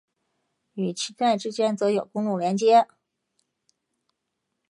与钦奈之间则有公路连接。